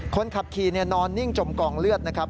คนขับขี่นอนนิ่งจมกองเลือดนะครับ